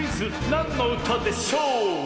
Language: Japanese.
「なんのうたでしょう」！